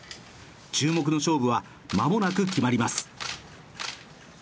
注目の勝負は間もなく決まります。